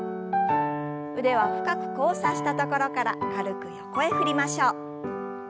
腕は深く交差したところから軽く横へ振りましょう。